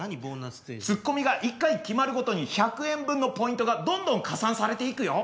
ツッコミが１回決まるごとに１００円分のポイントがどんどん加算されていくよ。